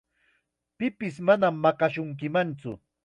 Pipis manam maqashunkimantsu.